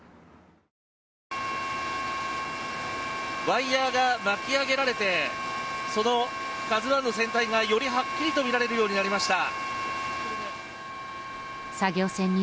ワイヤが巻き上げられて「ＫＡＺＵ１」の船体がよりはっきりと見られるようになりました。